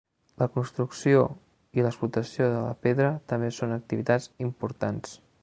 La construcció i l'explotació de la pedra també són activitats importants.